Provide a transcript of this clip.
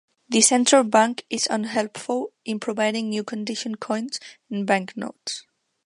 The Central Bank is unhelpful in providing new condition coins and banknotes.